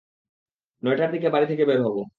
নয়টার দিকে বাড়ি থেকে বের হব।